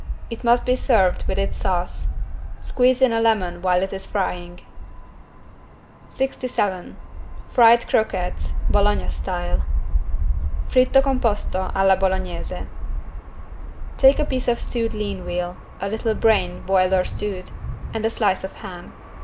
It must be served with its sauce. Squeeze in a lemon while it is frying. 67 FRIED CROQUETTES, BOLOGNA STYLE (Fritto composto alla Bolognese) Take a piece of stewed lean veal, a little brain boiled or stewed, and a slice of ham.